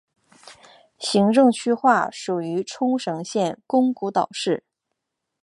行政区划属于冲绳县宫古岛市。